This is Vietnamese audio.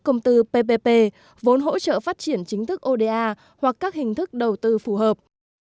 công tư ppp vốn hỗ trợ phát triển chính thức oda hoặc các hình thức đầu tư phù hợp